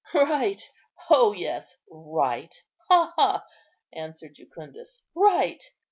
"Right! O yes, right! ha, ha!" answered Jucundus, "right!